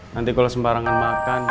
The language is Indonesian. nanti kalau sembarangan makan